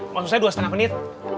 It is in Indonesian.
maksudnya dua setengah menit